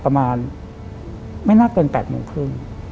ประมาณไม่น่าเกิน๘โมงครึ่ง